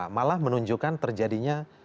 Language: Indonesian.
malah menunjukkan terjadinya